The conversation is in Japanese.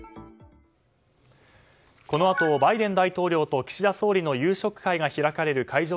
このあと、バイデン大統領と岸田総理の夕食会が開かれる会場